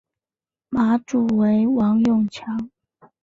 马主为王永强。